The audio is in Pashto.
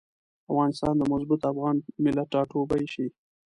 افغانستان د مضبوط افغان ملت ټاټوبی شي.